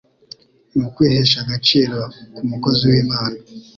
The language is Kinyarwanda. nukwihesha agaciro nk'umukozi w'Imana